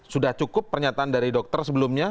sudah cukup pernyataan dari dokter sebelumnya